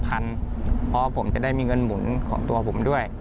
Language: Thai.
เพราะผมจะได้มีเงินหมุนของตัวผมด้วย